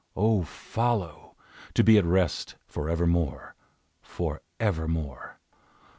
O, follow! To be at rest forevermore! Forevermore!"